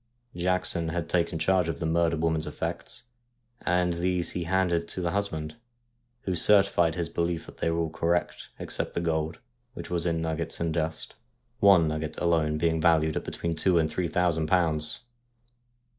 Jackson had taken charge of the murdered woman's effects, and these he handed to the husband, who certified his belief that they were all correct except the gold, which was in nuggets and dust, one nugget alone being valued at between two and three thousand pounds.